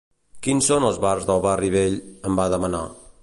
“Quins són els bars del barri vell?”, em van demanar.